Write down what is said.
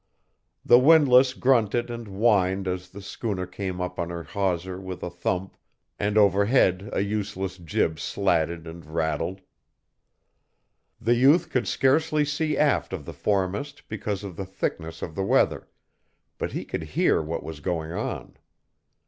The windlass grunted and whined as the schooner came up on her hawser with a thump, and overhead a useless jib slatted and rattled. The youth could scarcely see aft of the foremast because of the thickness of the weather, but he could hear what was going on.